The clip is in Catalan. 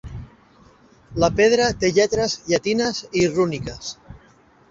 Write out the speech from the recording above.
La pedra té lletres llatines i rúniques.